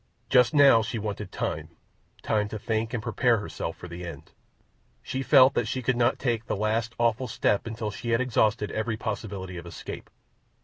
Just now she wanted time—time to think and prepare herself for the end. She felt that she could not take the last, awful step until she had exhausted every possibility of escape.